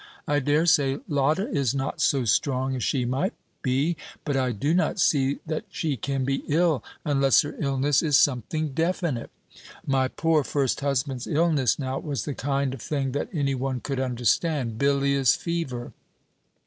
I dare say Lotta is not so strong as she might be; but I do not see that she can be ill, unless her illness is something definite. My poor first husband's illness, now, was the kind of thing that any one could understand bilious fever.